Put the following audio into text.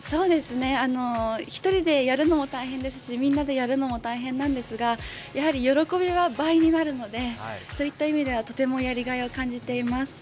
１人でやるのも大変ですしみんなでやるのも大変なんですがやはり喜びは倍になるので、とてもやりがいを感じています。